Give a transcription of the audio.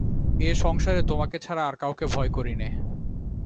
এ সংসারে তোমাকে ছাড়া আর কাউকে ভয় করি নে।